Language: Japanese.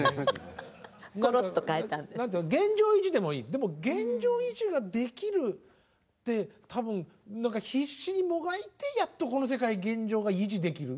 でも現状維持ができるって多分必死にもがいてやっとこの世界現状が維持できる。